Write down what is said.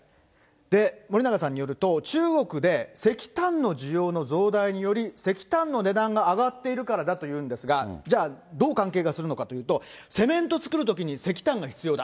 で、森永さんによると、中国で石炭の需要の増大により、石炭の値段が上がっているからだというんですが、じゃあ、どう関係がするのかというと、セメント作るときに、石炭が必要だ。